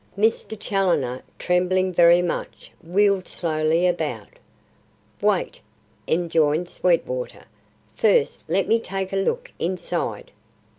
Mr. Challoner, trembling very much, wheeled slowly about. "Wait," enjoined Sweetwater. "First let me take a look inside."